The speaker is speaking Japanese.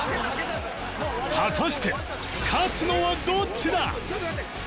果たして勝つのはどっちだ！？